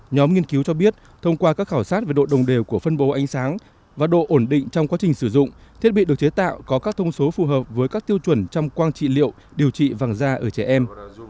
nhóm nghiên cứu cho biết thông qua các khảo sát về độ đồng đều của phân bố ánh sáng và độ ổn định trong quá trình sử dụng thiết bị được chế tạo có các thông số phù hợp với các tiêu chuẩn trong quang trị liệu điều trị vàng da ở trẻ em